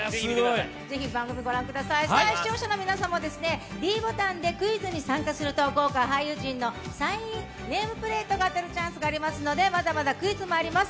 視聴者の皆さんもｄボタンでクイズに参加すると豪華俳優陣のサイン入りネームプレートが当たるチャンスがありますのでまだまだクイズもあります